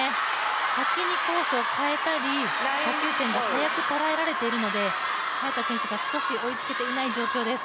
先にコースを変えたり打球点が早く捉えられているので早田選手が少し追いつけていない状況です。